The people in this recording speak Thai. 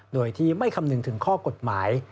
โดยที่ไม่คำนึงถึงข้อกฎหมาย